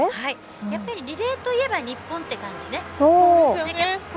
やっぱりリレーといえば日本って感じね。